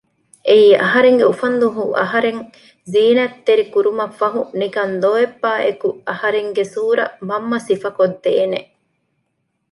އެއީ އަހަރެންގެ އުފަންދުވަހު އަހަރެން ޒީނަތްތެރި ކުރުމަށްފަހު ނިކަން ލޯތްބާއެކު އަހަރެންގެ ސޫރަ މަންމަ ސިފަކޮށްދޭނެ